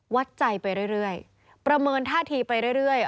วัดใจไปเรื่อยประเมินท่าทีไปเรื่อย